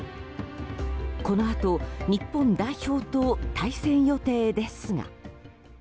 このあと日本代表と対戦予定ですが。